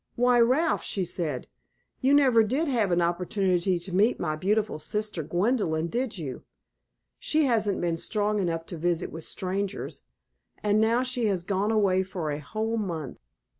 "Why, Ralph," she said, "you never did have an opportunity to meet my beautiful sister, Gwendolyn, did you? She hasn't been strong enough to visit with strangers, and now she has gone away for a whole month."